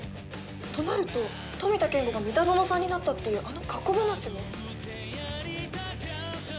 となると富田健吾が三田園さんになったっていうあの過去話は？